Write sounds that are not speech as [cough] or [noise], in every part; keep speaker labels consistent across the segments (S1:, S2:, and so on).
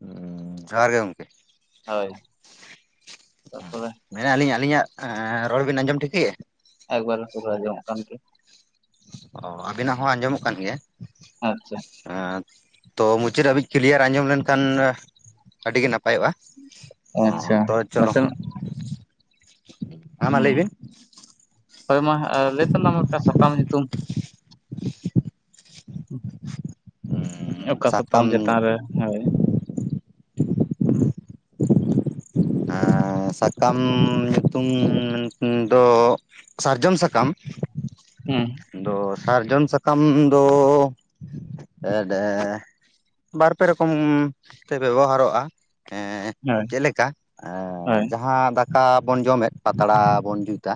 S1: ᱦᱩᱸ ᱡᱚᱦᱟᱨ ᱜᱮ ᱜᱚᱝᱠᱮ᱾
S2: ᱦᱳᱭ ᱛᱟᱯᱚᱨᱮ
S1: ᱢᱮᱱᱮᱜᱟᱹᱞᱤᱧ ᱟᱹᱞᱤᱧᱟᱜ ᱮᱸ ᱨᱚᱲ ᱵᱤᱱ ᱟᱸᱡᱚᱢ ᱴᱷᱤᱠᱟᱹᱭᱮᱜ-ᱟ?
S2: ᱮᱠᱵᱟᱨᱮ ᱯᱩᱨᱟᱹ ᱟᱸᱡᱚᱢᱚᱜ ᱠᱟᱱ ᱜᱮᱭᱟ᱾
S1: ᱚ ᱟᱵᱤᱱᱟᱜ ᱦᱚᱸ ᱟᱸᱡᱚᱢᱚᱜ ᱠᱟᱱ ᱜᱮᱭᱟ᱾
S2: ᱟᱪᱪᱷᱟ
S1: ᱦᱮᱸ ᱛᱚ ᱢᱩᱪᱟᱹᱫ ᱦᱟᱹᱵᱤᱡ ᱠᱤᱞᱤᱭᱟᱨ ᱟᱸᱡᱚᱢ ᱞᱮᱱᱠᱷᱟᱱ ᱟᱹᱰᱤ ᱜᱮ ᱱᱟᱯᱟᱭᱚᱜ-ᱟ᱾ ᱚ
S2: ᱟᱪᱪᱷᱟ
S1: ᱛᱚ ᱪᱚᱞᱚ
S2: ᱱᱟᱥᱮᱱᱟᱜ
S1: ᱦᱮᱸ ᱢᱟ ᱞᱟᱹᱭ
S2: ᱦᱩᱸ
S1: ᱵᱤᱱ᱾
S2: ᱦᱳᱭ ᱢᱟ ᱞᱟᱹᱭ ᱛᱟᱞᱟᱝ ᱢᱮᱫ ᱴᱟᱝ ᱥᱟᱠᱟᱢ ᱧᱩᱛᱩᱢ᱾ ᱚᱠᱟ ᱥᱟᱛᱟᱢ
S1: ᱥᱟᱠᱟᱢ
S2: ᱪᱮᱛᱟᱱ ᱨᱮ
S1: ᱧᱩᱛᱩᱢ
S2: ᱦᱳᱭ
S1: ᱮᱸ ᱥᱟᱠᱟᱢ ᱧᱩᱛᱩᱢ [unintelligible] ᱫᱚ ᱥᱟᱨᱡᱚᱢ ᱥᱟᱠᱟᱢ
S2: ᱦᱩᱸ
S1: ᱟᱫᱚ ᱥᱟᱨᱡᱚᱢ ᱥᱟᱠᱟᱢ ᱫᱚᱻ ᱮᱰ ᱮᱸ ᱵᱟᱨᱯᱮ ᱨᱚᱠᱚᱢ ᱛᱮ ᱵᱮᱵᱚᱦᱟᱨᱚᱜᱼᱟ ᱮᱸ
S2: ᱦᱳᱭ
S1: ᱪᱮᱞᱮᱠᱟ ᱞᱮᱠᱟ
S2: ᱦᱳᱭ
S1: ᱡᱟᱦᱟᱸ ᱫᱟᱠᱟ ᱵᱚᱱ ᱡᱚᱢᱮᱫ ᱯᱟᱛᱲᱟ ᱵᱚᱱ ᱡᱩᱛᱟ᱾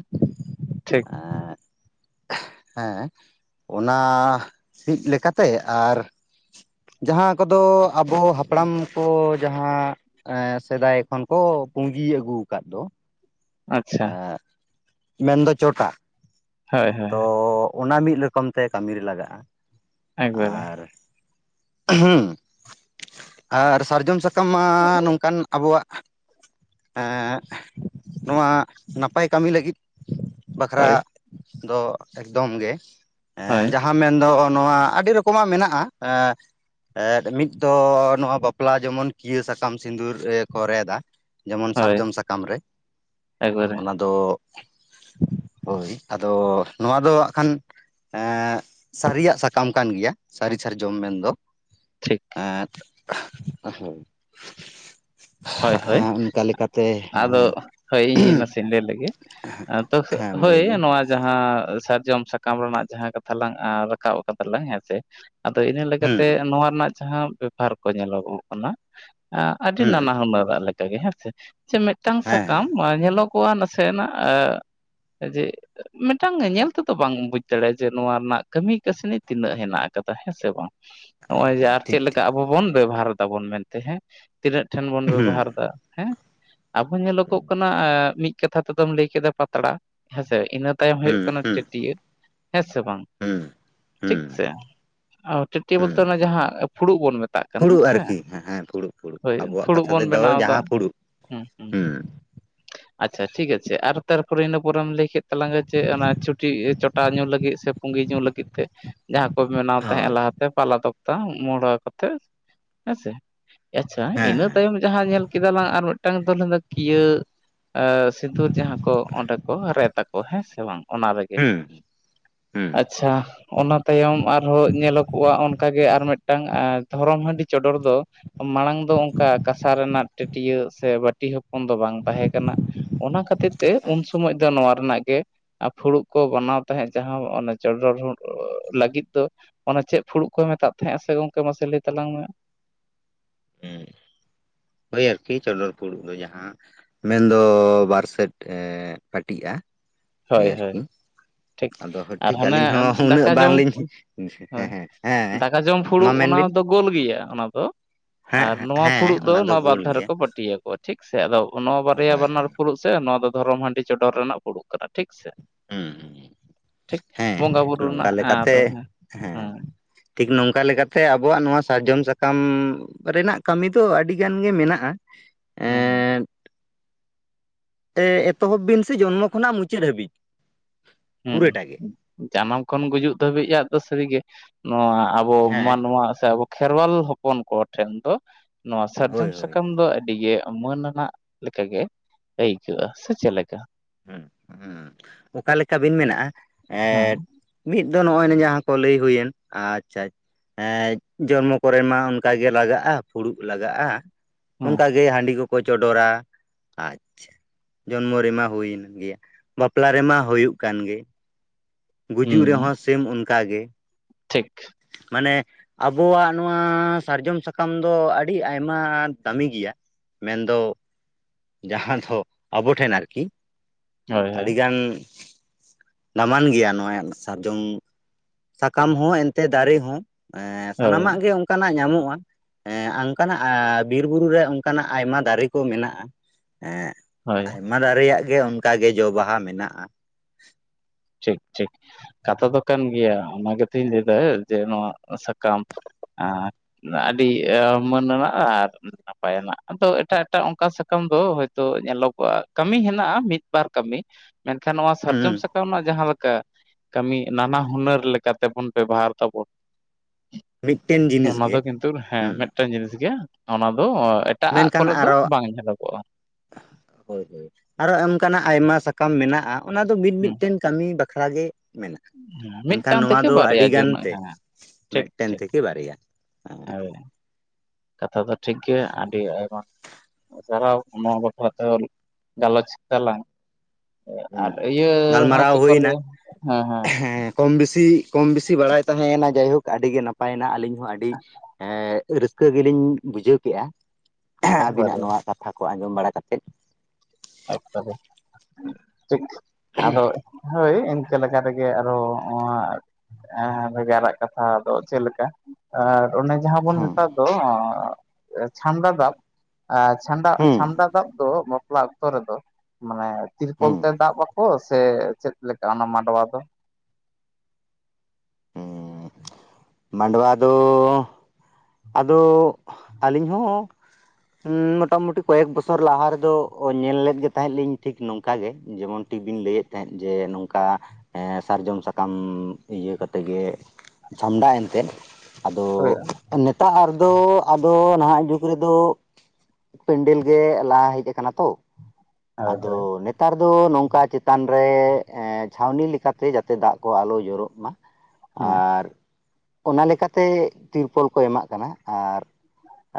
S2: ᱴᱷᱤᱠ
S1: ᱮᱸᱜ ᱦᱮᱸ ᱚᱱᱟ ᱥᱤᱫ ᱞᱮᱠᱟᱛᱮ ᱟᱨ ᱡᱟᱦᱟᱸ ᱠᱚᱫᱚ ᱟᱵᱚ ᱦᱟᱯᱲᱟᱢ ᱠᱚ ᱡᱟᱦᱟᱸ ᱮᱸ ᱥᱮᱫᱟᱭ ᱠᱷᱚᱱ ᱠᱚ ᱯᱩᱸᱜᱤ ᱟᱹᱜᱩᱣᱟᱠᱟᱜ ᱫᱚ,
S2: ᱟᱪᱪᱷᱟ
S1: ᱟᱨ ᱢᱮᱱᱫᱚ ᱪᱚᱴᱟ᱾
S2: ᱦᱳᱭ ᱦᱳᱭ᱾
S1: ᱛᱚ ᱚᱱᱟ ᱢᱤᱫ ᱨᱚᱠᱚᱢ ᱛᱮ ᱠᱟᱹᱢᱤ ᱨᱮ ᱞᱟᱜᱟᱜᱼᱟ,
S2: ᱮᱠᱵᱟᱨᱮ
S1: ᱟᱨ ᱦᱩᱸ ᱟᱨ ᱥᱟᱨᱡᱚᱢ ᱥᱟᱠᱟᱢ ᱢᱟ ᱱᱚᱝᱠᱟᱱ ᱟᱵᱚᱣᱟᱜ ᱮᱸᱜ ᱱᱚᱣᱟ ᱱᱟᱯᱟᱭ ᱠᱟᱹᱢᱤ ᱞᱟᱹᱜᱤᱫ
S2: ᱦᱳᱭ
S1: ᱵᱟᱠᱷᱨᱟ ᱫᱚ ᱮᱠᱫᱚᱢ ᱜᱮ ᱮᱸ
S2: ᱦᱳᱭ
S1: ᱡᱟᱦᱟ ᱦᱟᱸ ᱢᱮᱱᱫᱚ ᱱᱚᱣᱟ ᱟᱹᱰᱤ ᱨᱚᱠᱚᱢᱟᱜ ᱢᱮᱱᱟᱜᱼᱟ, ᱮᱸ ᱮᱫ ᱢᱤᱫ ᱫᱚ ᱱᱚᱣᱟ ᱵᱟᱯᱞᱟ ᱡᱮᱢᱚᱱ ᱠᱤᱭᱟᱹ ᱥᱟᱠᱟᱢ ᱥᱤᱸᱫᱩᱨ ᱨᱮᱫ ᱠᱚ ᱨᱮᱫᱟ ᱡᱮᱢᱚᱱ
S2: ᱦᱳᱭ
S1: ᱥᱟᱨᱡᱚᱢ ᱥᱟᱠᱟᱢ ᱨᱮ,
S2: ᱮᱠᱵᱟᱨᱮ
S1: ᱚᱱᱟ ᱫᱚ ᱦᱳᱭ ᱟᱫᱚ ᱱᱚᱣᱟ ᱫᱚ ᱦᱟᱸᱜ ᱠᱷᱟᱱ ᱮᱸᱜ ᱥᱟᱹᱨᱤᱭᱟᱜ ᱥᱟᱠᱟᱢ ᱠᱟᱱ ᱜᱮᱭᱟ, ᱥᱟᱹᱨᱤ ᱥᱟᱨᱡᱚᱢ ᱢᱮᱱᱫᱚ᱾
S2: ᱴᱷᱤᱠ
S1: ᱟᱨ ᱦᱳᱭ
S2: ᱦᱳᱭ ᱦᱳᱭ
S1: ᱚᱱᱠᱟ ᱞᱮᱠᱟᱛᱮ
S2: ᱟᱫᱚ
S1: ᱦᱮᱸ
S2: ᱦᱳᱭ ᱤᱧᱤᱧ ᱱᱟᱥᱮᱧ ᱞᱟᱹᱭ ᱞᱮᱜᱮ᱾ ᱟᱫᱚ
S1: ᱦᱮᱸ ᱢᱟ ᱞᱟᱹᱭ
S2: ᱦᱳᱭ
S1: ᱵᱤᱱ
S2: ᱱᱚᱣᱟ ᱡᱟᱦᱟᱸ ᱥᱟᱨᱡᱚᱢ ᱥᱟᱠᱟᱢ ᱨᱮᱱᱟᱜ ᱡᱟᱦᱟᱸ ᱠᱟᱛᱷᱟ ᱞᱟᱝ ᱨᱟᱠᱟᱵ ᱠᱟᱫᱟ ᱞᱟᱝ ᱦᱮᱸ ᱥᱮ ᱟᱫᱚ ᱤᱱᱟᱹ
S1: ᱦᱩᱸ
S2: ᱞᱮᱠᱟᱛᱮ
S1: ᱦᱩᱸ
S2: ᱱᱚᱣᱟ ᱨᱮᱱᱟᱜ ᱡᱟᱦᱟᱸ ᱵᱮᱯᱷᱟᱨ ᱠᱚ ᱧᱮᱞᱚᱜᱚᱜ ᱠᱟᱱᱟ ᱟᱹᱰᱤ
S1: ᱦᱩᱸ
S2: ᱱᱟᱱᱟ ᱦᱩᱱᱟᱹᱨᱟᱜ ᱞᱮᱠᱟᱜᱮ ᱦᱮᱸᱥᱮ ᱾ᱥᱮ ᱢᱤᱫᱴᱟᱝ
S1: ᱦᱮᱸ
S2: ᱥᱟᱠᱟᱢ ᱧᱮᱞᱚᱜᱚᱜᱼᱟ ᱱᱟᱥᱮᱱᱟᱜ ᱡᱮ ᱢᱤᱫᱴᱟᱝ ᱜᱮ ᱧᱮᱞ ᱛᱮᱫᱚ ᱵᱟᱝ ᱵᱩᱡᱽ ᱫᱟᱲᱮᱭᱟᱜᱼᱟ ᱡᱮ ᱱᱚᱣᱟ ᱨᱮᱱᱟᱜ ᱠᱟᱹᱢᱤ ᱠᱟᱹᱥᱱᱤ ᱛᱤᱱᱟᱹᱜ ᱦᱮᱱᱟᱜ ᱟᱠᱟᱫᱟ ᱦᱮᱸ ᱥᱮ ᱵᱟᱝ᱾ ᱱᱚᱜᱼᱚᱭ ᱡᱮ
S1: ᱦᱮᱸ
S2: ᱟᱨ
S1: ᱴᱷᱤᱠ
S2: ᱪᱮᱫ ᱞᱮᱠᱟ
S1: ᱴᱷᱤᱠ
S2: ᱟᱵᱚ ᱵᱚᱱ ᱵᱮᱵᱟᱨ ᱫᱟᱵᱚᱱ ᱢᱮᱱᱛᱮ ᱦᱮᱸ ᱛᱤᱱᱟᱹᱜ ᱴᱷᱮᱱ ᱵᱚᱱ
S1: ᱦᱩᱸ
S2: ᱵᱮᱵᱚᱦᱟᱨ ᱫᱟ ᱦᱮᱸ ᱟᱵᱚ ᱧᱮᱞᱚᱜᱚᱜ
S1: ᱦᱩᱸ
S2: ᱠᱟᱱᱟ ᱟᱸ ᱢᱤᱫ ᱢᱤᱫ ᱠᱟᱛᱷᱟ ᱛᱮᱫᱚᱢ ᱞᱟᱹᱭ ᱠᱮᱫᱟ ᱯᱟᱛᱲᱟ ᱦᱮᱸᱥᱮ ᱤᱱᱟᱹ ᱛᱟᱭᱚᱢ ᱦᱩᱭᱩᱜ ᱠᱟᱱᱟ
S1: ᱦᱩᱸ
S2: ᱴᱤᱴᱤᱭᱟᱹ ᱦᱮᱸ ᱥᱮ ᱵᱟᱝ᱾
S1: ᱦᱩᱸ ᱦᱩᱸ
S2: ᱴᱷᱤᱠ ᱥᱮ᱾ ᱚ ᱴᱟᱹᱴᱤᱭᱟᱹ
S1: ᱦᱩᱸ
S2: ᱵᱚᱞᱛᱮ ᱚᱱᱟ ᱡᱟᱦᱟᱸ ᱯᱷᱩᱲᱩᱜ ᱵᱚᱱ ᱢᱮᱛᱟᱜ ᱠᱟᱱᱟ
S1: ᱯᱷᱩᱲᱩᱜ
S2: ᱦᱮᱸ,
S1: ᱟᱨᱠᱤ ᱦᱮᱸ ᱯᱷᱩᱲᱩᱜ ᱯᱷᱩᱲᱩᱜ
S2: ᱦᱳᱭ
S1: ᱟᱵᱚᱣᱟᱜ
S2: ᱯᱷᱩᱲᱩᱵ
S1: ᱠᱟᱛᱷᱟ
S2: ᱵᱚᱱ
S1: ᱛᱮᱫᱚ
S2: ᱵᱮᱱᱟᱣ ᱫᱟ
S1: ᱡᱟᱦᱟᱸ ᱯᱷᱩᱲᱩᱜ
S2: ᱦᱩᱸ ᱦᱩᱸ᱾ ᱟᱪᱪᱷᱟ ᱴᱷᱤᱠ ᱟᱪᱷᱮ ᱟᱨ ᱛᱟᱨᱯᱚᱨᱮ ᱤᱱᱟᱹ ᱯᱚᱨᱮᱢ ᱞᱟᱹᱭ ᱠᱮᱫ ᱛᱟᱞᱟᱝᱼᱟ ᱡᱮ ᱚᱱᱟ ᱪᱩᱴᱤ ᱪᱚᱴᱟ ᱧᱩ ᱞᱟᱹᱜᱤᱫ ᱥᱮ ᱯᱩᱸᱜᱤ ᱧᱩ ᱞᱟᱹᱜᱤᱫ ᱛᱮ᱾ ᱡᱟᱦᱟᱸ ᱠᱚ ᱵᱮᱱᱟᱣ ᱛᱟᱦᱮᱸᱫ
S1: ᱦᱳᱭ
S2: ᱞᱟᱦᱟᱛᱮ ᱯᱟᱞᱟ ᱫᱚᱠᱛᱟ ᱢᱩᱲᱟᱹᱣ ᱠᱟᱛᱮᱜ ᱦᱮᱸ ᱥᱮ᱾ ᱟᱪᱪᱷᱟ
S1: ᱦᱮᱸ
S2: ᱤᱱᱟᱹ ᱛᱟᱭᱚᱢ ᱡᱟᱦᱟᱸ ᱧᱮᱞ ᱠᱮᱫᱟ ᱞᱟᱝ ᱟᱨ ᱢᱤᱫᱴᱟᱝ ᱫᱚ ᱞᱟᱝ ᱞᱮᱭᱫᱟ ᱠᱤᱭᱟᱹ ᱟᱺ ᱥᱤᱸᱫᱩᱨ ᱡᱟᱦᱟᱸ ᱠᱚ ᱚᱸᱰᱮ ᱠᱚ ᱨᱮᱫ ᱟᱠᱚ ᱦᱮᱸ ᱥᱮ ᱵᱟᱝ? ᱚᱱᱟ
S1: ᱦᱮᱸ
S2: ᱨᱮᱜᱮ
S1: ᱦᱩᱸ ᱦᱩᱸ
S2: ᱟᱪᱪᱷᱟ᱾ ᱚᱱᱟ ᱛᱟᱭᱚᱢ ᱟᱨᱦᱚᱸ ᱧᱮᱞᱚᱜᱚᱜᱼᱟ ᱚᱱᱠᱟᱜᱮ ᱟᱨ ᱢᱤᱫᱴᱟᱝ ᱮᱸ ᱫᱷᱚᱨᱚᱢ ᱦᱟᱺᱰᱤ ᱪᱚᱰᱚᱨ ᱫᱚ ᱢᱟᱲᱟᱝ ᱫᱚ ᱚᱱᱠᱟ ᱠᱟᱥᱟ ᱨᱮᱱᱟᱜ ᱴᱟᱹᱴᱤᱭᱟᱹ ᱥᱮ ᱵᱟᱹᱴᱤ ᱦᱚᱯᱚᱱ ᱫᱚ ᱵᱟᱝ ᱛᱟᱦᱮᱸ ᱠᱟᱱᱟ ᱚᱱᱟ ᱠᱷᱟ ᱛᱤᱨᱛᱮ ᱩᱱ ᱥᱚᱢᱚᱭ ᱫᱚ ᱱᱚᱣᱟ ᱨᱮᱱᱟᱜ ᱜᱮ ᱯᱷᱩᱲᱩᱜ ᱠᱚ ᱵᱟᱱᱟᱣ ᱛᱟᱦᱮᱸᱫ, ᱡᱟᱦᱟᱸ ᱚᱱᱮ ᱪᱚᱰᱚᱨ ᱞᱟᱹᱜᱤᱫ ᱫᱚ ᱚᱱᱟ ᱪᱮᱫ ᱯᱷᱩᱲᱩᱜ ᱠᱚ ᱢᱮᱛᱟᱜ ᱛᱟᱦᱮᱸᱜ ᱥᱮ ᱜᱚᱢᱠᱮ ᱢᱟᱥᱮ ᱞᱟᱹᱭ ᱛᱟᱞᱟᱝ ᱢᱮ᱾
S1: ᱦᱳᱭ ᱟᱨᱠᱤ ᱪᱚᱰᱚᱨ ᱯᱷᱩᱲᱩᱜ ᱫᱚ ᱡᱟᱦᱟᱸ ᱢᱮᱱᱫᱚ ᱵᱟᱨ ᱥᱮᱫ ᱯᱟᱴᱤᱜᱼᱟ ᱦᱳᱭ ᱟᱨᱠᱤ
S2: ᱴᱷᱤᱠ
S1: ᱟᱫᱚ
S2: ᱟᱨ
S1: ᱴᱷᱤᱠ
S2: ᱦᱟᱱᱮ
S1: ᱟᱞᱤᱧ ᱦᱚᱸ ᱩᱱᱟᱹᱜ
S2: ᱫᱟᱠᱟ ᱡᱚᱢ
S1: ᱵᱟᱝᱞᱤᱧ ᱦᱮᱸ
S2: ᱦᱳᱭ
S1: ᱦᱮᱸ ᱦᱮᱸ
S2: ᱫᱟᱠᱟ ᱡᱚᱢ
S1: ᱢᱟ
S2: ᱯᱷᱩᱲᱩᱜ ᱚᱱᱟ ᱫᱚ ᱜᱳᱞ ᱜᱮᱭᱟ ᱚᱱᱟ ᱫᱚ
S1: ᱦᱮᱸᱜ ᱦᱮᱸ,
S2: ᱛᱳ
S1: ᱚᱱᱟ ᱫᱚ
S2: ᱱᱚᱭᱟ ᱵᱟᱫ
S1: ᱜᱳᱞ
S2: ᱫᱷᱟᱨᱮ
S1: ᱜᱮᱭᱟ
S2: ᱠᱚ ᱯᱟᱴᱤ ᱴᱤ ᱭᱟᱠᱚ ᱴᱷᱤᱠ ᱥᱮ ᱟᱫᱚ ᱱᱚᱣᱟ ᱵᱟᱨᱭᱟ
S1: ᱦᱳᱭ
S2: ᱵᱟᱱᱟᱨ
S1: ᱦᱳᱭ
S2: ᱯᱷᱩᱲᱩᱜ ᱥᱮ ᱱᱚᱣᱟ ᱫᱚ ᱫᱷᱚᱨᱚᱢ ᱦᱟᱺᱰᱤ ᱪᱚᱰᱚᱨ ᱨᱮᱱᱟᱜ ᱯᱷᱩᱲᱩᱜ ᱠᱟᱱᱟ ᱴᱷᱤᱠ ᱥᱮ
S1: ᱦᱩᱸ ᱦᱩᱸ
S2: ᱴᱷᱤᱠ
S1: ᱦᱮᱸ
S2: ᱵᱚᱸᱜᱟ ᱵᱩᱨᱩ
S1: ᱱᱚᱝᱠᱟ
S2: ᱨᱮᱱᱟᱜ ᱟᱫᱚ
S1: ᱞᱮᱠᱟᱛᱮ
S2: ᱦᱮᱸ ᱦᱮᱸ
S1: ᱴᱷᱤᱠ ᱱᱚᱝᱠᱟ ᱞᱮᱠᱟᱛᱮ ᱟᱵᱚᱣᱟᱜ ᱱᱚᱣᱟ ᱥᱟᱨᱡᱚᱢ ᱥᱟᱠᱟᱢ ᱨᱮᱱᱟᱜ ᱠᱟᱢᱤ ᱫᱚ ᱟᱹᱰᱤᱜᱟᱱ ᱜᱮ ᱢᱮᱱᱟᱜᱼᱟ ᱾
S2: ᱦᱩᱸ ᱦᱩᱸ
S1: ᱛᱮ ᱮᱛᱚᱦᱚᱵ ᱵᱤᱱ ᱥᱮ ᱡᱚᱱᱢᱚ ᱠᱷᱚᱱᱟᱜ ᱢᱩᱪᱟᱹᱫ ᱦᱟᱹᱵᱤᱡ
S2: ᱦᱮᱸ
S1: ᱯᱩᱨᱟᱹᱴᱟ ᱜᱮ
S2: ᱡᱟᱱᱟᱢ ᱠᱷᱚᱱ ᱜᱩᱡᱩᱜ ᱫᱷᱟᱹᱵᱤᱡᱟᱜ ᱫᱚ ᱥᱟᱹᱨᱤᱜᱮ ᱱᱚᱣᱟ ᱟ ᱵᱚ
S1: ᱦᱮᱸ
S2: ᱢᱟᱱᱣᱟ ᱥᱮ ᱟᱵᱚ ᱠᱷᱮᱨᱣᱟᱞ ᱦᱚᱯᱚᱱ ᱠᱚ ᱴᱷᱮᱱ ᱫᱚ ᱱᱚᱣᱟ
S1: ᱦᱳᱭ
S2: ᱥᱟᱨᱡᱚᱢ
S1: ᱦᱳᱭ
S2: ᱥᱟᱠᱟᱢ ᱫᱚ ᱟᱹᱰᱤᱜᱮ ᱢᱟᱹᱱ ᱱᱟᱜ ᱞᱮᱠᱟᱜ ᱜᱮ ᱟᱹᱭᱠᱟᱹᱜᱼᱟ ᱥᱮ ᱪᱮᱫ ᱞᱮᱠᱟ?
S1: ᱦᱮᱸ ᱦᱮᱸ ᱚᱠᱟᱞᱮᱠᱟ ᱵᱤᱱ ᱢᱮᱱᱟᱜᱼᱟ
S2: ᱦᱮᱸ
S1: ᱮᱰ ᱢᱤᱫ ᱫᱚ ᱱᱚᱜ-ᱚᱭ ᱡᱟᱦᱟᱸ ᱠᱚ ᱞᱟᱹᱭ ᱦᱩᱭᱮᱱ ᱟᱪᱪᱷᱟ ᱟᱪᱪᱷᱟ ᱡᱚᱱᱢᱚ ᱠᱚᱨᱮ ᱢᱟ ᱚᱱᱠᱟ ᱜᱮ ᱞᱟᱜᱟᱜᱼᱟ ᱯᱷᱩᱲᱩᱜ ᱞᱟᱜᱟᱼᱟ
S2: ᱦᱮᱸ
S1: ᱚᱱᱠᱟᱜᱮ ᱦᱟᱺᱰᱤ ᱠᱚᱠᱚ ᱪᱚᱰᱚᱨᱟ ᱟᱪᱪᱷᱟ ᱡᱚᱱᱢᱚ ᱨᱮᱢᱟ ᱦᱩᱭ ᱮᱱ ᱜᱮᱭᱟ ᱵᱟᱯᱞᱟ ᱨᱮᱢᱟ ᱦᱩᱭᱩᱜ ᱠᱟᱱ ᱜᱮ ᱜᱩᱡᱩᱜ
S2: ᱦᱮᱸ
S1: ᱨᱮᱦᱚᱸ ᱥᱮᱢ ᱚᱱᱠᱟ ᱜᱮ
S2: ᱴᱷᱤᱠ
S1: ᱢᱟᱱᱮ ᱟᱵᱚᱣᱟᱜ ᱱᱚᱣᱟ ᱥᱟᱨᱡᱚᱢ ᱥᱟᱠᱟᱢ ᱫᱚ ᱟᱰᱤ ᱟᱭᱢᱟ ᱫᱟᱢᱤ ᱜᱮᱭᱟ ᱢᱮᱱᱫᱚ ᱡᱟᱦᱟᱸ ᱫᱚ ᱟᱵᱚ ᱴᱷᱮᱱ ᱟᱨᱠᱤ
S2: ᱦᱳᱭ ᱦᱳᱭ
S1: ᱟᱰᱤ ᱜᱟᱱ ᱫᱟᱢᱟᱱ ᱜᱮᱭᱟ ᱱᱚᱣᱼᱚᱭ ᱥᱟᱨᱡᱚᱢ ᱥᱟᱠᱟᱢ ᱦᱚᱸ ᱮᱱᱛᱮᱜ ᱫᱟᱨᱮ ᱦᱚᱸ
S2: ᱦᱳᱭ
S1: ᱥᱟᱱᱟᱢᱟᱜ ᱜᱮ ᱚᱝ ᱚᱱᱠᱟᱱᱟᱜ ᱧᱟᱢᱚᱜᱼᱟ ᱮ ᱟᱝᱠᱟᱱᱟᱜ ᱟᱨ ᱵᱤᱨ ᱵᱩᱨᱩ ᱨᱮ ᱚᱱᱠᱟᱱᱟᱜ ᱟᱭᱢᱟ ᱫᱟᱨᱤ ᱠᱩ ᱢᱮᱱᱟᱜᱼᱟ
S2: ᱦᱳᱭ
S1: ᱾ ᱟᱭᱢᱟ ᱫᱟᱨᱤᱭᱟᱜ ᱜᱮ ᱚᱱᱠᱟᱜᱮ ᱡᱚ ᱵᱟᱦᱟ ᱢᱮᱱᱟᱜᱼᱟ ᱾
S2: ᱴᱷᱤᱠ ᱴᱷᱤᱠ ᱠᱟᱛᱷᱟ ᱫᱚ ᱠᱟᱱ ᱜᱮᱭᱟ ᱚᱱᱟ ᱜᱮᱛᱤᱧ ᱞᱟᱹᱭᱫᱟ ᱡᱮ ᱱᱚᱣᱟ ᱥᱟᱠᱟᱢ ᱟᱨ ᱟᱰᱤ ᱢᱟᱹᱱᱟᱜ ᱟᱨ ᱱᱟᱯᱟᱭ ᱨᱮᱱᱟᱜ ᱟᱫᱚ ᱮᱴᱟᱜ ᱮᱴᱟᱜ ᱚᱱᱠᱟ ᱥᱟᱠᱟᱢ ᱫᱚ ᱦᱚᱭᱛᱳ ᱧᱮᱞᱚᱜᱚᱜᱼᱟ ᱠᱟᱹᱢᱤ ᱦᱮᱱᱟᱜᱼᱟ ᱢᱤᱫ ᱵᱟᱨ ᱠᱟᱹᱢᱤ ᱢᱮᱱᱠᱷᱟᱱ ᱱᱚᱣᱟ ᱥᱟᱨᱡᱚᱢ
S1: ᱦᱩᱸ
S2: ᱥᱟᱠ ᱟᱢ ᱚᱱ ᱡᱟᱦᱟᱸ ᱞᱮᱠᱟ ᱠᱟᱹᱢᱤ ᱱᱟᱱᱟ ᱦᱩᱱᱟᱹᱨ ᱞᱮᱠᱟᱛᱮᱵᱚᱱ ᱵᱮᱵᱚᱦᱟᱨ ᱫᱟᱵᱚᱱ
S1: ᱢᱤᱫᱴᱮᱱ ᱡᱤᱱᱤᱥ
S2: ᱚᱱᱟ ᱫᱚ
S1: ᱜᱮ
S2: ᱠᱤᱱᱛᱩ ᱦᱮᱸ
S1: ᱦᱩᱸ
S2: ᱢᱤᱫᱴᱟᱝ ᱡᱤᱱᱤᱥ ᱜᱮ ᱚᱱᱟ ᱫᱚ ᱮᱴᱟᱜᱟᱜ
S1: ᱢᱮᱱᱠᱷᱟᱱ
S2: ᱠᱚᱨᱮ ᱫᱚ
S1: ᱟᱨᱚ
S2: ᱵᱟᱝ ᱧᱮᱞᱚᱜᱚᱜᱼᱟ
S1: ᱦᱳᱭ ᱦᱳᱭ ᱟᱨᱚ ᱚᱱᱠᱟᱱᱟᱜ ᱟᱭᱢᱟ ᱥᱟᱠᱟᱢ ᱢᱮᱱᱟᱜᱼᱟ ᱚᱱᱟ ᱫᱚ
S2: ᱦᱩᱸ
S1: ᱢᱤᱫᱼᱢᱤᱫᱴᱮᱱ ᱠᱟᱹᱢᱤ ᱵᱟᱠᱷᱨᱟ ᱜᱮ ᱢᱮᱱᱟᱜ ᱮᱱᱠᱷᱟᱱ
S2: ᱢᱤᱫᱴᱟᱝ
S1: ᱱᱚᱣᱟ
S2: ᱛᱷᱮᱠᱮ
S1: ᱫᱚ
S2: ᱵᱟᱨᱭᱟ
S1: ᱟᱹᱰᱤ ᱜᱟᱱ
S2: ᱡᱚᱱ
S1: ᱛᱮ
S2: ᱦᱮᱸ
S1: ᱢᱮᱫᱴᱮᱱ ᱛᱷᱮᱠᱮ ᱵᱟᱨᱭᱟ
S2: ᱦᱮᱸ ᱠᱟᱛᱷᱟ ᱫᱚ ᱴᱷᱤᱠ ᱜᱮ ᱟᱹᱰᱤ ᱟᱭᱢᱟ ᱥᱟᱨᱦᱟᱣ ᱱᱚᱣᱟ ᱵᱟᱠᱷᱨᱟᱛᱮ ᱜᱟᱞᱚᱪ ᱫᱟᱞᱟᱝ᱾ ᱟᱨ
S1: ᱦᱩᱸ
S2: ᱤᱭᱟᱹ ᱦᱚᱸ
S1: ᱜᱟᱞᱢᱟᱨᱟᱣ
S2: ᱪᱮᱫ ᱠᱚ
S1: ᱦᱩᱭᱱᱟ
S2: ᱞᱟᱹᱭᱟ ᱦᱮᱸ ᱦᱮᱸ
S1: ᱠᱚᱢ ᱵᱤᱥᱤ ᱠᱚᱢ ᱵᱤᱥᱤ ᱵᱟᱲᱟᱭ ᱛᱟᱦᱮᱸᱭᱮᱱᱟ ᱡᱟᱭᱦᱳᱠ ᱟᱹᱰᱤ ᱜᱮ ᱱᱟᱯᱟᱭᱮᱱᱟ ᱟᱹᱞᱤᱧ ᱦᱚᱸ ᱟᱹᱰᱤ ᱮ ᱼᱼ ᱨᱟᱹᱥᱠᱟᱹ ᱜᱮᱞᱤᱧ ᱵᱩᱡᱷᱟᱹᱣ ᱠᱮᱜᱼᱟ ᱟᱹᱵᱤᱱᱟᱜ
S2: ᱮᱠᱵᱟᱨᱮ
S1: ᱱᱚᱣᱟ ᱠᱟᱛᱷᱟ ᱠᱚ ᱟᱸᱡᱚᱢ ᱵᱟᱲᱟ ᱠᱟᱛᱮᱫ
S2: [unintelligible] ᱟᱫᱚ ᱦᱳᱭ ᱤᱱᱠᱟᱹ ᱞᱮᱠᱟ ᱨᱮᱜᱮ ᱟᱨᱚ ᱱᱚᱣᱟ ᱦᱮᱸ ᱟᱫᱚ ᱡᱟᱣᱨᱟᱜ ᱠᱟᱛᱷᱟ ᱟᱫᱚ ᱪᱮᱫ ᱞᱮᱠᱟ? ᱟᱨ ᱚᱱᱮ ᱡᱟᱦᱟᱸ ᱵᱚᱱ
S1: ᱦᱮᱸ
S2: ᱢᱮᱛᱟᱜ ᱫᱚ ᱮ ᱪᱷᱟᱢᱰᱟ ᱫᱟᱵ᱾ ᱟᱨ ᱪᱷᱟᱱᱰᱟ
S1: ᱦᱩᱸ
S2: ᱪᱷᱟᱢᱰᱟ ᱫᱟᱵ ᱫᱚ ᱵᱟᱯᱞᱟ ᱚᱠᱛᱚ ᱨᱮᱫᱚ ᱢᱟᱱᱮ ᱛᱤᱨᱯᱚᱞ
S1: ᱦᱩᱸ
S2: ᱛᱮ ᱫᱟᱵ ᱵᱟᱠᱚ ᱥᱮ ᱪᱮᱫ ᱞᱮᱠᱟ ᱚᱱᱟ ᱢᱟᱰᱣᱟ ᱫᱚ?
S1: ᱦᱩᱸ
S2: [inaudible]
S1: ᱢᱟᱰᱣᱟ ᱫᱚ ᱟᱫᱚ ᱟᱹᱞᱤᱧ ᱦᱚᱸ ᱦᱩᱸ ᱢᱚᱴᱟᱢᱩᱴᱤ ᱠᱚᱭᱮᱠ ᱵᱚᱪᱷᱚᱨ ᱞᱟᱦᱟ ᱨᱮᱫᱚ ᱧᱮᱞ ᱞᱮᱫ ᱜᱮ ᱛᱟᱦᱮᱸᱫ ᱞᱤᱧ ᱴᱷᱤᱠ ᱱᱚᱝᱠᱟ ᱜᱮ᱾ ᱡᱮᱢᱚᱱᱴᱤ ᱵᱤᱱ ᱞᱟᱹᱭᱮᱫ ᱛᱟᱦᱮᱸᱫ ᱡᱮ ᱱᱚᱝᱠᱟ ᱮᱸ ᱥᱟᱨᱡᱚᱢ ᱥᱟᱠᱟᱢ ᱤᱭᱟᱹ ᱠᱟᱛᱮᱜᱮ ᱪᱷᱟᱢᱰᱟ ᱮᱱᱛᱮᱫ᱾ ᱟᱫᱚ
S2: ᱦᱳᱭ
S1: ᱱᱮᱛ-ᱟᱨ ᱫᱚ ᱟᱫᱚ ᱱᱟᱦᱟᱜ ᱡᱩᱜᱽ ᱨᱮᱫᱚ ᱯᱮᱱᱰᱮᱞ ᱜᱮ ᱞᱟᱦᱟ ᱦᱮᱡ ᱟᱠᱟᱱᱟ ᱛᱚ
S2: ᱦᱳᱭ
S1: ᱟᱫᱚ
S2: ᱦᱳᱭ
S1: ᱱᱮᱛ ᱱᱮᱛᱟᱨ ᱫᱚ ᱱᱚᱝᱠᱟ ᱪᱮᱛᱟᱱ ᱨᱮ ᱮᱸ ᱪᱷᱟᱣᱱᱤ ᱞᱮᱠᱟᱛᱮ ᱡᱟᱛᱮ ᱫᱟᱜ ᱠᱚ ᱟᱞᱚ ᱡᱚᱨᱚᱜ ᱢᱟ᱾
S2: ᱦᱮᱸ
S1: ᱟᱨ ᱚᱱᱟ ᱞᱮᱠᱟᱛᱮ ᱛᱤᱨᱯᱚᱞ ᱠᱚ ᱮᱢᱟᱜ ᱠᱟᱱᱟ ᱟᱨ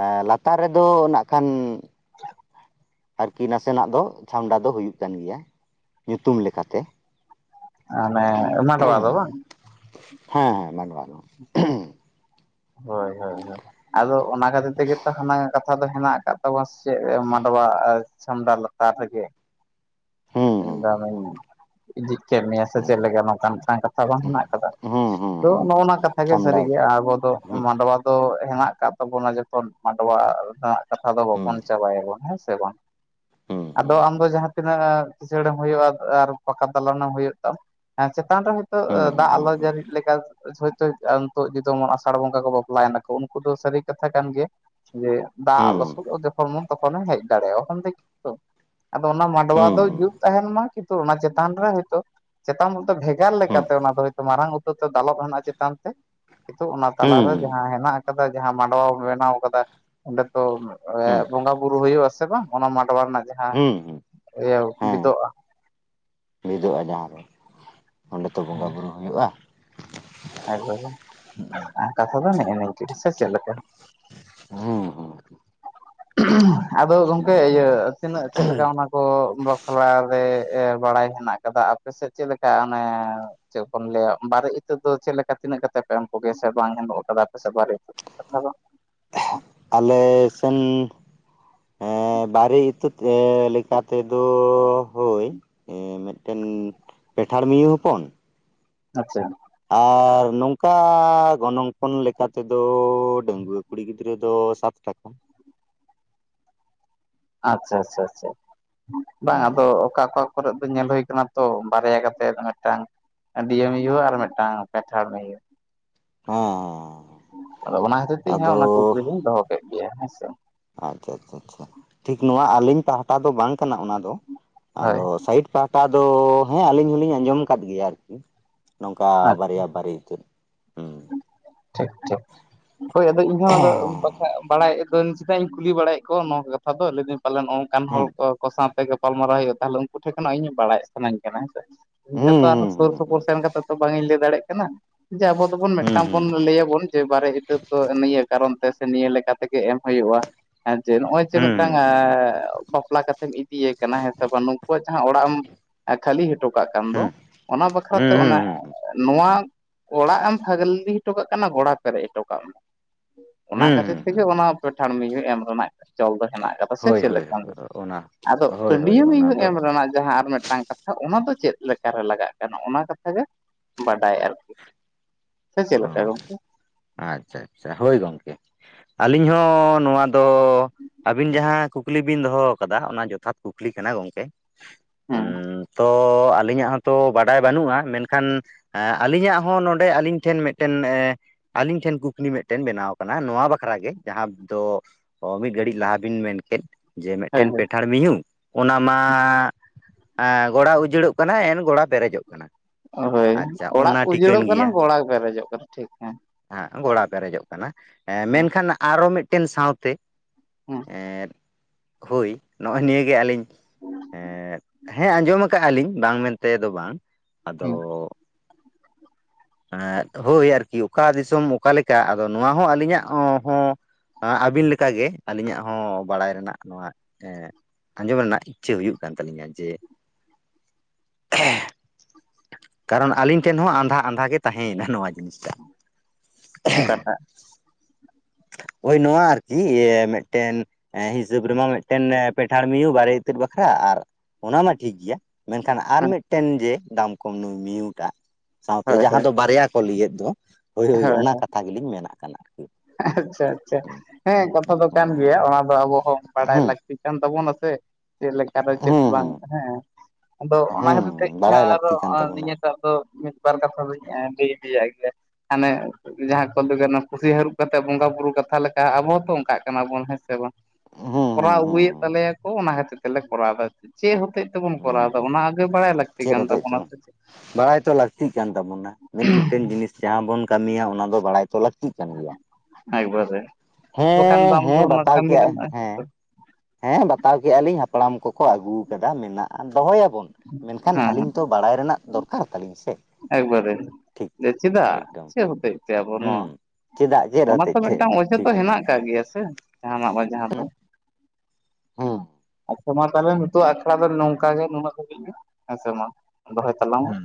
S1: ᱟ ᱞᱟᱛᱟᱨ ᱨᱮᱫᱚ ᱱᱟᱜ ᱠᱷᱟᱱ ᱟᱨᱠᱤ ᱱᱟᱥᱮᱱᱟᱜ ᱫᱚ ᱪᱷᱟᱢᱰᱟ ᱫᱚ ᱦᱩᱭᱩᱜ ᱠᱟᱱ ᱜᱮᱭᱟ ᱧᱩᱛᱩᱢ ᱞᱮᱠᱟᱛᱮ᱾
S2: ᱟᱱᱮ ᱢᱟᱰᱣᱟ ᱫᱚ ᱵᱟᱝ?
S1: ᱦᱮᱸ ᱢᱟᱰᱣᱟ ᱫᱚ᱾
S2: ᱦᱳᱭ ᱦᱳᱭ ᱦᱳᱭ ᱟᱫᱚ ᱚᱱᱟ ᱠᱷᱟᱹᱛᱤᱨ ᱛᱮᱜᱮ ᱛᱚ ᱦᱟᱱᱟ ᱠᱟᱛᱷ ᱠᱟᱛᱷᱟ ᱫᱚ ᱦᱮᱱᱟᱜ ᱟᱠᱟᱫ ᱛᱟᱵᱚᱱᱟ ᱥᱮ ᱪᱮᱫ ᱢᱟᱰᱣᱟ ᱪᱷᱟᱢᱰᱟ ᱞᱟᱛᱟᱨ ᱨᱮᱜᱮ᱾
S1: ᱦᱩᱸ
S2: ᱤᱧ ᱫᱚ ᱟᱢᱤᱧ ᱤᱫᱤᱠ ᱠᱮᱜ ᱢᱮᱭᱟ ᱥᱮ
S1: ᱦᱩᱸ
S2: ᱪᱮᱫ ᱞᱮᱠᱟ ᱱᱚᱝᱠᱟᱱ ᱢᱤᱫᱴᱟᱝ ᱠᱟᱛᱷᱟ ᱵᱟᱝ ᱦᱮᱱᱟᱜ ᱟᱠᱟᱫᱟ᱾
S1: ᱦᱩᱸ ᱦᱩᱸ ᱦᱩᱸ
S2: ᱛᱚ
S1: ᱦᱩᱸ
S2: ᱱᱚᱜᱼᱚ ᱱᱚᱣᱟ ᱠᱟᱛᱷᱟ ᱜᱮ
S1: ᱪᱷᱟᱢᱰᱟ
S2: ᱥᱟᱹᱨᱤ ᱜᱮ ᱟᱵᱚ ᱫᱚ
S1: ᱦᱩᱸ
S2: ᱢᱟᱰᱣᱟ ᱛᱚ ᱦᱮᱱᱟᱜ ᱟᱠᱟᱫ ᱛᱟᱵᱚᱱᱟ ᱡᱚᱛᱚ ᱢᱟᱰᱣᱟ ᱨᱮᱱᱟᱜ ᱠᱟᱛᱷᱟ ᱫᱚ
S1: ᱦᱩᱸ
S2: ᱵᱟᱵᱚᱱ ᱪᱟᱵᱟᱭᱟᱵᱚᱱ ᱦᱮᱸ ᱥᱮ ᱵᱟᱝ᱾
S1: [inaudible]
S2: ᱟᱫᱚ
S1: ᱦᱩᱸ
S2: ᱟᱢ ᱫᱚ ᱡᱟᱦᱟᱸ ᱛᱤᱱᱟᱹᱜ ᱠᱤᱥᱟᱹᱲᱮᱢ ᱦᱩᱭᱩᱜᱼᱟ ᱟᱫ ᱟᱨ ᱯᱟᱠᱟ ᱫᱟᱞᱟᱱᱮᱢ ᱦᱩᱭᱩᱜ ᱛᱟᱢ ᱦᱮᱸ ᱪᱮᱛᱟᱱ ᱨᱮ ᱦᱚᱳᱭᱛᱳ
S1: ᱦᱩᱸ
S2: ᱫᱟᱜ
S1: ᱦᱩᱸ
S2: ᱟᱞᱚ ᱡᱟᱹᱲᱤ ᱞᱮᱠᱟ ᱦᱳᱭᱛᱳ ᱟᱢ ᱱᱤᱛᱚᱜ ᱡᱮ ᱫᱚᱢᱚᱱ ᱟᱥᱟᱲ ᱵᱚᱸᱜᱟ ᱠᱚ ᱵᱟᱯᱞᱟᱭᱮᱱᱟ ᱠᱚ ᱩᱱᱠᱩ ᱫᱚ ᱥᱟᱹᱨᱤ ᱠᱟᱛᱷᱟ ᱠᱟᱱ ᱜᱮᱭᱟ ᱡᱮ
S1: ᱦᱩᱸ
S2: ᱫᱟᱜ
S1: ᱦᱩᱸ
S2: ᱞᱚᱥᱚᱫ ᱡᱚᱠᱷᱚᱱ ᱢᱚᱱ ᱛᱚᱠᱷᱚᱱᱮᱢ ᱦᱮᱡ ᱫᱟᱲᱮᱭᱟᱜᱼᱟ ᱚᱦᱚᱢ ᱞᱟᱹᱭ ᱠᱮᱭᱟ ᱛᱚ᱾ ᱟᱫᱚ ᱚᱱᱟ ᱢᱟᱰᱣᱟ
S1: ᱦᱩᱸ
S2: ᱫᱚ
S1: ᱦᱩᱸ
S2: ᱡᱩᱛ ᱛᱟᱦᱮᱱ ᱢᱟ ᱠᱤᱱᱛᱩ ᱚᱱᱟ ᱪᱮᱛᱟᱱ ᱨᱮ ᱦᱳᱭᱛᱳ ᱪᱮᱛᱟᱱ ᱩᱛᱟᱹᱨ ᱵᱷᱮᱜᱟᱨ
S1: ᱦᱩᱸ
S2: ᱞᱮᱠᱟᱛᱮ ᱚᱱᱟ ᱫᱚ ᱦᱳᱭᱛᱚ ᱢᱟᱨᱟᱝ ᱩᱛ ᱛᱟᱹᱨ ᱛᱮ ᱫᱟᱞᱚᱵ ᱦᱮᱱᱟᱜᱼᱟ ᱪᱮᱛᱟᱱ ᱛᱮ ᱠᱤᱱᱛᱩ ᱚᱱᱟ
S1: ᱦᱩᱸ
S2: ᱛᱟᱞᱟᱨᱮ
S1: ᱦᱩᱸ
S2: ᱡᱟᱦᱟᱸ ᱦᱮᱱᱟᱜ ᱟᱠᱟᱫᱟ ᱡᱟᱦᱟᱸ ᱢᱟᱸᱰᱣᱟ ᱵᱚᱱ ᱵᱮᱱᱟᱣ ᱟᱠᱟᱫᱟ᱾ ᱚᱸᱰᱮ ᱛᱚ ᱮ
S1: ᱦᱩᱸ
S2: ᱵᱚᱸᱜᱟ ᱵᱩᱨᱩ ᱦᱩᱭᱩ ᱟᱥᱮ ᱵᱟᱝ, ᱚᱱᱟ ᱢᱟᱰᱣᱟ ᱨᱮᱱᱟᱜ ᱡᱟᱦᱟᱸ
S1: ᱦᱩᱸ ᱦᱩᱸ
S2: ᱤᱭᱟᱹ ᱵᱤᱫᱚᱜᱼᱟ᱾
S1: ᱵᱤᱫᱚᱜᱼᱟ ᱡᱟᱦᱟᱸ ᱨᱮ᱾ ᱚᱸᱰᱮ ᱛᱚ ᱵᱚᱸᱜᱟ ᱵᱩᱨᱩ ᱦᱩᱭᱩᱜᱼᱟ᱾
S2: ᱮᱠᱵᱟᱨᱮ ᱠᱟᱛᱷᱟ ᱫᱚ ᱱᱮᱜ-ᱮ ᱱᱤᱝᱠᱟᱹᱜᱮ ᱥᱮ ᱪᱮᱫ ᱞᱮᱠᱟ?
S1: ᱦᱩᱸ ᱦᱩᱸ᱾
S2: ᱟᱫᱚ ᱜᱚᱢᱠᱮ ᱤᱭᱟᱹ ᱛᱤᱱᱟᱹᱜ ᱪᱮᱫ ᱞᱮᱠᱟ ᱚᱱᱟ ᱠᱚ ᱵᱟᱯᱞᱟ ᱨᱮ ᱮ ᱵᱟᱲᱟᱭ ᱦᱮᱱᱟᱜ ᱟᱠᱟᱫᱟ ᱟᱯᱮ ᱥᱮᱫ ᱪᱮᱫ ᱞᱮᱠᱟ ᱚᱱᱮ ᱪᱮᱫ ᱵᱚᱱ ᱞᱟᱹᱭᱟ ᱵᱟᱨᱮ ᱤᱛᱟᱹᱫ ᱫᱚ ᱪᱮᱫ ᱞᱮᱠᱟ ᱛᱤᱱᱟᱹᱜ ᱠᱟᱛᱮ ᱯᱮ ᱮᱢ ᱠᱚᱜᱮᱭᱟ ᱥᱮ ᱵᱟᱝ ᱮᱢᱚᱜ ᱠᱟᱫᱟ ᱟᱯᱮ ᱥᱮ ᱵᱟᱨᱮ ᱤᱛᱟᱹᱫ? ᱠᱟᱛᱷᱟ ᱫᱚ᱾
S1: ᱟᱞᱮ ᱥᱮᱱ ᱮᱸ ᱵᱟᱨᱮ ᱤᱛᱟᱹᱫ ᱞᱮᱠᱟ ᱛᱮᱫᱚ ᱦᱳᱭ᱾ ᱮᱸ ᱢᱤᱫᱽᱴᱮᱱ ᱯᱮᱴᱷᱟᱲ ᱢᱤᱭᱩ ᱦᱚᱯᱚᱱ᱾
S2: ᱟᱪᱪᱷᱟ ᱾
S1: ᱟᱨ ᱱᱚᱝᱠᱟ ᱜᱚᱱᱚᱝ ᱯᱚᱱ ᱞᱮᱠᱟ ᱛᱮᱫᱚ ᱰᱟᱹᱝᱜᱩᱣᱟᱹ ᱠᱩᱲᱤ ᱜᱤᱫᱽᱨᱟᱹ ᱫᱚ ᱥᱟᱛ ᱴᱟᱠᱟ ᱾
S2: ᱟᱪᱪᱷᱟ ᱟᱪᱪᱷᱟ ᱟᱪᱪᱷᱟ ᱵᱟᱝ ᱟᱫᱚ
S1: ᱦᱮᱸ
S2: ᱚᱠᱟ ᱚᱠᱟ ᱠᱚᱨᱮᱜ ᱫᱚ ᱧᱮᱞ ᱦᱩᱭ ᱠᱟᱱᱟ ᱛᱚ ᱵᱟᱨᱭᱟ ᱠᱟᱛᱮ ᱢᱤᱫ ᱴᱟᱝ ᱟᱰᱤᱭᱟᱹ ᱢᱤᱦᱩ ᱟᱨ ᱢᱤᱫᱴᱟᱝ ᱯᱮᱴᱷᱟᱲ ᱢᱤᱦᱩ ᱾
S1: [unintelligible]
S2: ᱟᱫᱚ ᱚᱱᱟ ᱠᱷᱟᱛᱤᱨ ᱛᱮ ᱤᱧᱦᱚᱸ
S1: ᱟᱫᱚ
S2: ᱚᱱᱟ ᱠᱩᱠᱞᱤ ᱫᱚᱧ ᱫᱚᱦᱚ ᱠᱮᱫ ᱜᱮᱭᱟ ᱦᱮᱸᱥ ᱾
S1: ᱟᱪᱪᱷᱟ ᱟᱪᱪᱷᱟ ᱴᱷᱤᱠ ᱱᱚᱣᱟ ᱟᱹᱞᱤᱧ ᱯᱟᱦᱴᱟ ᱫᱚ ᱵᱟᱝ ᱠᱟᱱᱟ ᱚᱱᱟ ᱫᱚ,
S2: ᱦᱳᱭ
S1: ᱟᱫᱚ ᱥᱟᱭᱤᱴ ᱯᱟᱦᱴᱟ ᱫᱚ ᱦᱮᱸ ᱟᱹᱞᱤᱧ ᱦᱚᱞᱤᱧ ᱟᱸᱡᱚᱢ ᱟᱠᱟᱫ ᱜᱮᱭᱟ ᱟᱨᱠᱤ ᱱᱚᱝᱠᱟ ᱵᱟᱨᱭᱟ ᱵᱟᱨᱮ ᱤᱛᱟᱹᱫ ᱾
S2: ᱦᱳᱭ ᱟᱫᱚ ᱤᱧ ᱦᱚᱸ ᱟᱫᱚ ᱵᱟᱲᱟᱭ ᱟᱫᱚ ᱪᱮᱫᱟᱜ ᱤᱧ ᱠᱩᱞᱤ ᱵᱟᱲᱟᱭᱮᱫ ᱠᱚᱣᱟ ᱱᱚᱣᱟ ᱠᱟᱛᱷᱟ ᱫᱚ ᱞᱟᱹᱭᱫᱟᱹᱧ ᱯᱟᱞᱮᱱ ᱱᱚᱝᱠᱟᱱ ᱦᱚᱲ ᱠᱚ ᱠᱚ ᱥᱟᱶᱛᱮ ᱜᱟᱯᱟᱞᱢᱟᱨᱟᱣ ᱦᱩᱭᱩᱜ-ᱟ ᱛᱟᱦᱚᱞᱮ ᱩᱱᱠᱩ ᱴᱷᱮᱡ ᱠᱷᱚᱱᱟᱜ ᱤᱧ ᱵᱟᱲᱟᱭ ᱥᱟᱱᱟᱹᱧ ᱠᱟᱱᱟ ᱦᱮᱸ ᱥᱮ᱾ [unintelligible] ᱛᱚ ᱟᱨ ᱥᱩᱨ ᱥᱩᱯᱩᱨ ᱥᱮᱱ ᱠᱟᱛᱮ ᱛᱚ ᱵᱟᱝ ᱤᱧ ᱞᱟᱹᱭ ᱫᱟᱲᱮᱭᱟᱜ ᱠᱟᱱᱟ ᱾ ᱡᱮ ᱟᱵᱚ ᱫᱚᱵᱚᱱ ᱢᱤᱫᱴᱟᱝ ᱵᱚᱱ ᱞᱟᱹᱭ ᱟᱵᱚᱱ ᱡᱮ ᱵᱟᱨᱮ ᱤᱛᱟᱹ ᱫᱚ ᱱᱤᱭᱟᱹ ᱠᱟᱨᱚᱱ ᱛᱮᱥᱮ ᱱᱤᱭᱟᱹ ᱞᱮᱠᱟ ᱛᱮᱜᱮ ᱮᱢ ᱦᱩᱭᱩᱜ-ᱟ᱾ ᱦᱮᱸ ᱡᱮ ᱱᱚ-ᱚᱭ ᱡᱮ ᱢᱤᱫᱴᱟᱝ ᱮᱸ ᱵᱟᱯᱞᱟ ᱠᱟᱛᱮᱢ ᱤᱫᱤᱭᱮ ᱠᱟᱱᱟ ᱦᱮᱸ ᱥᱮ ᱵᱟᱝ ᱱᱩᱠᱩᱣᱟᱜ ᱡᱟᱦᱟᱸ ᱚᱲᱟᱜ ᱮᱢ ᱠᱷᱟᱹᱞᱤ ᱦᱚᱴᱚ ᱠᱟᱜ ᱠᱟᱱ ᱫᱚ
S1: ᱦᱩᱸ
S2: ᱚᱱᱟ ᱵᱟᱠᱷᱨᱟᱛᱮ ᱚᱱᱟ
S1: ᱦᱩᱸ
S2: ᱱᱚᱣᱟ ᱚᱲᱟᱜ ᱮᱢ ᱯᱷᱟᱹᱜᱞᱤ ᱦᱚᱴᱚ ᱠᱟᱜ ᱠᱟᱱᱟ ᱜᱚᱲᱟ ᱯᱮᱨᱮᱡ ᱦᱚᱴᱚ ᱠᱟᱜ ᱢᱮ ᱚᱱᱟ ᱠᱷᱟᱹᱛᱤᱨ ᱛᱮᱜᱮ ᱚᱱᱟ ᱯᱮᱴᱷᱟᱲ ᱢᱤᱦᱩ ᱮᱢ ᱨᱮᱱᱟᱜ ᱪᱚᱞ ᱫᱚ ᱦᱮᱱᱟᱜ ᱟᱠᱟᱫᱟ ᱾ ᱥᱮ
S1: ᱦᱳᱭ
S2: ᱪᱮᱫ
S1: ᱦᱳᱭ
S2: ᱞᱮᱠᱟ
S1: ᱚᱱᱟ
S2: ᱟᱫᱚ
S1: ᱦᱳᱭ ᱦᱳᱭ
S2: ᱟᱹᱰᱭᱟᱹ
S1: ᱚᱱᱟ
S2: ᱢᱤᱦᱩ
S1: ᱫᱚ ᱚ
S2: ᱮᱢ ᱨᱮᱱᱟᱜ ᱡᱟᱦᱟᱸ ᱟᱨ ᱢᱤᱫᱴᱟᱝ ᱠᱟᱛᱷᱟ ᱾ ᱚᱱᱟ ᱫᱚ ᱪᱮᱫ ᱞᱮᱠᱟᱨᱮ ᱞᱟᱜᱟᱜ ᱠᱟᱱᱟ ᱚᱱᱟ ᱠᱟᱛᱷᱟ ᱜᱮ ᱵᱟᱰᱟᱭ ᱟᱨᱠᱤ? ᱥᱮ ᱪᱮᱫ ᱞᱮᱠᱟ ᱜᱚᱝᱠᱮ ᱾
S1: ᱟᱪᱪᱷᱟ ᱟᱪᱪᱷᱟ ᱦᱳᱭ ᱜᱚᱝᱠᱮ ᱟᱹᱞᱤᱧ ᱦᱚᱸ ᱱᱚᱣᱟ ᱫᱚ ᱟᱹᱵᱤᱱ ᱡᱟᱦᱟᱸ ᱠᱩᱠᱞᱤ ᱵᱤᱱ ᱫᱚᱦᱚ ᱟᱠᱟᱫᱟ ᱚᱱᱟ ᱡᱚᱛᱷᱟᱛ ᱠᱩᱠᱞᱤ ᱠᱟᱱᱟ ᱜᱚᱝᱠᱮ
S2: ᱦᱮᱸ
S1: ᱾ ᱛᱚ ᱟᱹᱞᱤᱧᱟᱜ ᱦᱚᱸᱛᱚ ᱵᱟᱰᱟᱭ ᱵᱟᱹᱱᱩᱜ-ᱟ ᱢᱮᱱᱠᱷᱟᱱ ᱟᱹᱞᱤᱧᱟᱜ ᱦᱚᱸ ᱱᱚᱰᱮ ᱟᱹᱞᱤᱧ ᱴᱷᱮᱱ ᱢᱤᱫᱴᱮᱱ ᱮᱸ ᱟᱹᱞᱤᱧ ᱴᱷᱮᱱ᱾ ᱠᱩᱠᱞᱤ ᱢᱤᱫᱴᱮᱱ ᱵᱮᱱᱟᱣ ᱠᱟᱱᱟ ᱱᱚᱣᱟ ᱵᱟᱠᱷᱨᱟ ᱜᱮ ᱡᱟᱦᱟᱸ ᱫᱚ ᱢᱤᱫ ᱜᱷᱟᱹᱲᱤᱡ ᱞᱟᱦᱟ ᱵᱤᱱ ᱢᱮᱱ ᱠᱮᱫ ᱾ ᱡᱮ
S2: ᱦᱳᱭ
S1: ᱢᱤᱫᱴᱮᱱ
S2: ᱦᱳᱭ
S1: ᱯᱮᱴ ᱯᱮᱴᱷᱟᱲ ᱢᱤᱦᱩ ᱚᱱᱟ ᱢᱟ ᱜᱚᱲᱟ ᱩᱡᱟᱹᱲᱚᱜ ᱠᱟᱱᱟ ᱮᱱ ᱜᱚᱲᱟ ᱯᱮᱨᱮᱡᱚᱜ ᱠᱟᱱᱟ ᱾
S2: ᱦᱳᱭ ᱚᱲᱟᱜ ᱩᱡᱟᱹᱲᱚᱜ ᱠᱟᱱᱟ
S1: ᱜᱮᱭᱟ
S2: ᱜᱚᱲᱟ ᱯᱮᱨᱮᱡᱚᱜ ᱠᱟᱱᱟ ᱴᱷᱤᱠ ᱦᱮᱸ᱾
S1: ᱦᱮᱸ ᱜᱚᱲᱟ ᱯᱮᱨᱮᱡᱚᱜ ᱠᱟᱱᱟ
S2: ᱦᱮᱸ
S1: ᱢᱮᱱᱠᱷᱟᱱ ᱟᱨᱚ ᱢᱤᱫᱴᱮᱱ ᱥᱟᱶ ᱛᱮ
S2: ᱦᱮᱸ
S1: ᱦᱩᱭ ᱱᱚ-ᱚᱭ ᱱᱤᱭᱟ ᱜᱮ ᱟᱞᱤᱧ ᱦᱮᱸ ᱟᱸᱡᱚᱢᱟ ᱟᱠᱟᱜ ᱟᱞᱤᱧ ᱵᱟᱝ ᱢᱮᱱᱛᱮ ᱫᱚ ᱵᱟᱝ, ᱟᱫᱚ
S2: ᱦᱮᱸ
S1: ᱦᱳᱭ ᱟᱨᱠᱤ ᱚᱠᱟ ᱫᱤᱥᱚᱢ ᱚᱠᱟ ᱞᱮᱠᱟ ᱟᱫᱚ ᱱᱚᱣᱟ ᱦᱚᱸ ᱟᱹᱞᱤᱧᱟᱜ ᱦᱚᱸ ᱟᱹᱵᱤᱱ ᱞᱮᱠᱟ ᱜᱮ ᱟᱹᱞᱤᱧᱟᱜ ᱦᱚᱸ ᱵᱟᱲᱟᱭ ᱨᱮᱱᱟᱜ ᱱᱚᱣᱟ ᱟᱸᱡᱚᱢ ᱨᱮᱱᱟᱜ ᱤᱪᱪᱷᱟᱹ ᱦᱩᱭᱩᱜ ᱠᱟᱱ ᱛᱟᱹᱞᱤᱧᱟ ᱡᱮ ᱠᱟᱨᱚᱱ ᱟᱞᱤᱧ ᱴᱷᱮᱱ ᱦᱚᱸ ᱟᱸᱫᱷᱟ ᱟᱸᱫᱷᱟ ᱜᱮ ᱛᱟᱦᱮᱸᱭᱮᱱᱟ ᱱᱚᱣᱟ ᱡᱤᱱᱤᱥ ᱴᱟᱜ᱾
S2: ᱚᱠᱟᱴᱟᱜ
S1: ᱳᱭ ᱱᱚᱣᱟ ᱟᱨᱠᱤ ᱢᱤᱫᱴᱮᱱ ᱦᱤᱥᱟᱹᱵ ᱨᱮᱢᱟ ᱢᱤᱫᱴᱮᱱ ᱯᱮᱴᱷᱟᱲ ᱢᱤᱦᱩ ᱵᱟᱨᱮ ᱤᱛᱟᱹᱫ ᱵᱟᱠᱷᱨᱟ ᱟᱨ ᱚᱱᱟ ᱢᱟ ᱴᱷᱤᱠ ᱜᱮᱭᱟ᱾ ᱢᱮᱱᱠᱷᱟᱱ ᱟᱨ
S2: ᱦᱮᱸ
S1: ᱢᱤᱫᱴᱮᱱ ᱡᱮ ᱫᱟᱢᱠᱚᱢ ᱱᱩᱭ ᱢᱤᱦᱩᱴᱟᱜ ᱥᱟᱶᱛᱮ
S2: ᱦᱳᱭ
S1: ᱡᱟᱦᱟᱸ
S2: ᱦᱳᱭ
S1: ᱫᱚ ᱵᱟᱨᱭᱟ ᱠᱚ ᱞᱟᱹᱭᱮᱫ ᱫᱚ ᱦᱳᱭ ᱦᱳᱭ ᱚᱱᱟ ᱠᱟᱛᱷᱟ ᱜᱮᱞᱤᱧ ᱢᱮᱱ ᱟᱜ ᱠᱟᱱᱟ ᱟᱨᱠᱤ ᱾
S2: ᱟᱪᱪᱷᱟ ᱟᱪᱪᱷᱟ ᱦᱮᱸ ᱠᱟᱛᱷᱟ ᱫᱚ ᱠᱟᱱ ᱜᱮᱭᱟ
S1: ᱦᱩᱸ
S2: ᱚᱱᱟ ᱫᱚ ᱟᱵᱚ ᱦᱚᱸ ᱵᱟᱲᱟᱭ
S1: ᱦᱩᱸ
S2: ᱞᱟᱹᱠᱛᱤ᱾ ᱪᱤᱜ ᱠᱟᱱ ᱛᱟᱵᱚᱱᱟ ᱥᱮ, ᱪᱮᱫ ᱞᱮᱠᱟ ᱨᱮ ᱪᱮᱫ ᱵᱟᱝ
S1: ᱦᱩᱸ
S2: ᱦᱮᱸ᱾ ᱟᱫᱚ ᱚᱱᱟ ᱠᱷᱟᱛᱤᱨ ᱛᱮ
S1: ᱦᱩᱸ
S2: ᱤᱧ ᱦᱚ
S1: ᱵᱟᱲᱟᱭ
S2: ᱟᱨᱚ,
S1: ᱞᱟᱹᱠᱛᱤ ᱠᱟᱱ ᱛᱟᱵᱚᱱᱟ
S2: ᱱᱤᱭᱟᱹ ᱴᱟᱜ ᱫᱚ᱾ ᱢᱤᱫ ᱵᱟᱨ ᱠᱟᱛᱷᱟ ᱫᱚᱧ ᱞᱟᱹᱭ ᱤᱫᱟᱜ ᱜᱮᱭᱟ, ᱦᱟᱱᱮ ᱡᱟᱦᱟᱸ ᱠᱚ ᱞᱟᱭ ᱫᱟ ᱚᱱᱮ ᱯᱩᱥᱤ ᱦᱟᱹᱨᱩᱵ᱾ ᱠᱟᱛᱮ ᱵᱚᱸᱜᱟ ᱵᱩᱨᱩ ᱠᱟᱛᱷᱟ ᱞᱮᱠᱟ, ᱟᱵᱚ ᱦᱚᱸ ᱛᱚ ᱚᱱᱠᱟᱜ ᱠᱟᱱᱟ ᱵᱚᱱ ᱦᱮᱸ ᱥᱮ ᱵᱟᱝ᱾
S1: ᱦᱩᱸ
S2: ᱠᱚᱨᱟᱣ
S1: ᱦᱩᱸ ᱦᱩᱸ
S2: ᱟᱹᱜᱩᱭᱮᱫ ᱛᱟᱞᱮᱭᱟᱠᱚ, ᱚᱱᱟ ᱠᱷᱟᱹᱛᱤᱨ ᱛᱮᱞᱮ ᱠᱚᱨᱟᱣ ᱫᱟ ᱡᱮ ᱦᱩᱛᱩ᱾ ᱦᱚᱛᱮᱡ ᱛᱮᱵᱚᱱ
S1: ᱦᱩᱸ
S2: ᱠᱚᱨᱟᱣ ᱫᱟ,
S1: ᱦᱩᱸ
S2: ᱚᱱᱟ ᱟᱹᱜᱮ ᱵᱟᱲᱟᱭ ᱞᱟᱹᱠᱛᱤ᱾
S1: ᱪᱮᱫ
S2: ᱠᱟᱱ
S1: ᱦᱚᱛᱮᱡ
S2: ᱛᱟᱵᱚᱱᱟ
S1: ᱛᱮᱵᱚᱱ,
S2: ᱥᱮ ᱪᱮᱫ
S1: ᱵᱟᱲᱟᱭ ᱛᱚ ᱞᱟᱹᱠᱛᱤᱜ ᱠᱟᱱ ᱛᱟᱵᱚᱱᱟ, ᱢᱤᱫ ᱢᱤᱫᱴᱮᱱ ᱡᱤᱱᱤᱥ᱾ ᱡᱟᱦᱟᱸ ᱵᱚᱱ ᱠᱟᱹᱢᱤᱭᱟ ᱚᱱᱟ ᱫᱚ, ᱵᱟᱲᱟᱭ ᱛᱚ ᱞᱟᱹᱠᱛᱤᱜ ᱠᱟᱱ ᱜᱮᱭᱟ ᱾
S2: ᱮᱠᱵᱟᱨᱮ ᱵᱟᱝᱠᱷᱟᱱ ᱵᱟᱝ
S1: ᱦᱮᱸ
S2: ᱵᱚᱱ
S1: ᱵᱟᱛᱟᱣ ᱠᱮᱜᱼᱟ
S2: [unintelligible]
S1: ᱦᱮᱸ
S2: [unintelligible]
S1: ᱦᱮᱸ ᱵᱟᱛᱟᱣ ᱠᱮᱜᱼᱟᱞᱤᱧ ᱦᱟᱯᱲᱟᱢ ᱠᱚ ᱠᱚ ᱟᱹᱜᱩ ᱠᱟᱫᱟ, ᱢᱮᱱᱟᱜᱼᱟ ᱫᱚᱦᱚᱭ ᱟᱵᱚᱱ ᱢᱮᱱᱠᱷᱟᱱ
S2: ᱦᱮᱸ
S1: ᱟᱹᱞᱤᱧ ᱛᱚ ᱵᱟᱲᱟᱭ ᱨᱮᱱᱟᱜ ᱫᱚᱨᱠᱟᱨ ᱛᱟᱹᱞᱤᱧ ᱥᱮ?
S2: ᱮᱠᱵᱟᱨᱮ,
S1: ᱴᱷᱤᱠ
S2: ᱡᱮ ᱪᱮᱫᱟᱜ
S1: ᱮᱠᱫᱚᱢ
S2: ᱪᱮᱫ
S1: ᱴᱷᱤᱠ
S2: ᱦᱚᱛᱮᱡ
S1: ᱴᱷᱤᱠ
S2: ᱛᱮ ᱟᱵᱚ
S1: ᱦᱩᱸ
S2: ᱱᱚᱣᱟ
S1: ᱪᱮᱫᱟᱜ ᱪᱮᱫ
S2: ᱚᱱᱟ
S1: ᱦᱚᱛᱮᱡ
S2: ᱛᱚ
S1: ᱛᱮ
S2: ᱢᱤᱫᱴᱟᱝ ᱚᱡᱮ ᱛᱚ,
S1: ᱴᱷᱤᱠ
S2: ᱦᱮᱱᱟᱜ ᱠᱟᱜ ᱜᱮᱭᱟ ᱥᱮ, ᱡᱟᱦᱟᱱᱟᱜ ᱵᱟ ᱡᱟᱦᱟᱸ ᱫᱚ᱾
S1: ᱦᱩᱸ
S2: ᱦᱮᱸ ᱛᱚ ᱢᱟ ᱛᱟᱦᱚᱞᱮ ᱱᱤᱛᱚᱜ ᱟᱠᱷᱲᱟ ᱫᱚ ᱱᱚᱝᱠᱟ ᱜᱮ, ᱱᱩᱱᱟᱹᱜ ᱫᱷᱟᱹᱵᱤᱡ ᱜᱮ ᱦᱮᱸ ᱥᱮ ᱢᱟ, ᱫᱚᱦᱚᱭ ᱛᱟᱞᱟᱝ ᱢᱮ᱾
S1: ᱦᱩᱸ